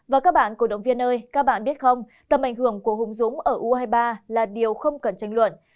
và các bạn cổ động viên ơi các bạn biết không tầm ảnh hưởng của hùng dũng ở u hai mươi ba là điều không cần tranh luận